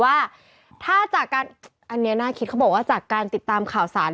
อันนี้น่าคิดเขาบอกสานะคะลติดตามข่าวสาร